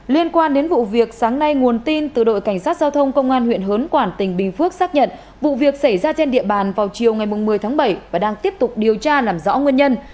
liên quan đến vụ việc sáng nay nguồn tin từ đội cảnh sát giao thông công an huyện hớn quản tỉnh bình phước xác nhận vụ việc xảy ra trên địa bàn vào chiều ngày một mươi tháng bảy và đang tiếp tục điều tra làm rõ nguyên nhân